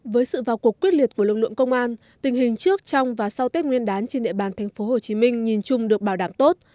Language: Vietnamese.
với sự vào cuộc quyết liệt của lực lượng công an tình hình trước trong và sau tết nguyên đán trên địa bàn tp hcm nhìn chung được bảo đảm tốt